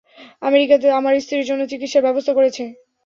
আমেরিকাতে আমার স্ত্রীর জন্য চিকিৎসার ব্যবস্থা করেছে।